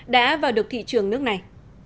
đã vào được thị trường nước này